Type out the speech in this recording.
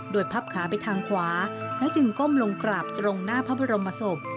โดยพับขาไปทางขวาและจึงก้มลงกราบตรงหน้าพระบรมศพ